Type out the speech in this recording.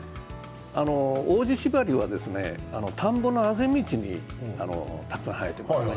オオジシバリは田んぼのあぜ道にたくさん生えていますね。